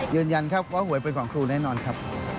ยืนยันครับว่าหวยเป็นของครูแน่นอนครับ